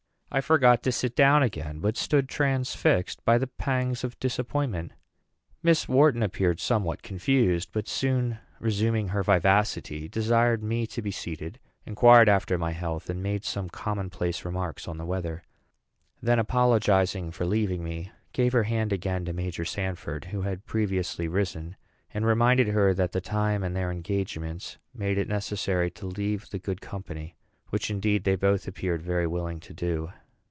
I forgot to sit down again, but stood transfixed by the pangs of disappointment. Miss Wharton appeared somewhat confused, but, soon resuming her vivacity, desired me to be seated, inquired after my health, and made some commonplace remarks on the weather; then, apologizing for leaving me, gave her hand again to Major Sanford, who had previously risen, and reminded her that the time and their engagements made it necessary to leave the good company; which, indeed, they both appeared very willing to do.